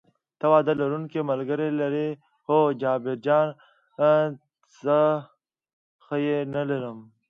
ته واده لرونکی ملګری لرې؟ هو، جبار خان: زه یې نه لرم.